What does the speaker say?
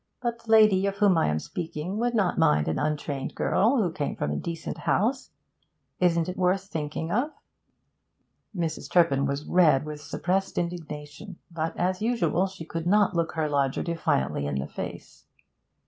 But the lady of whom I am speaking would not mind an untrained girl, who came from a decent house. Isn't it worth thinking of?' Mrs. Turpin was red with suppressed indignation, but as usual she could not look her lodger defiantly in the face.